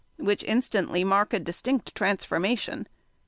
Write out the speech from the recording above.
which instantly mark a distinct transformation.